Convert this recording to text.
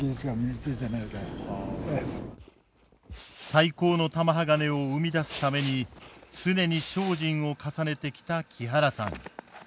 最高の玉鋼を生み出すために常に精進を重ねてきた木原さん。